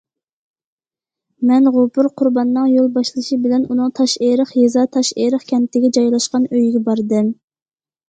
مەن غوپۇر قۇرباننىڭ يول باشلىشى بىلەن ئۇنىڭ تاشئېرىق يېزا تاشئېرىق كەنتىگە جايلاشقان ئۆيىگە باردىم.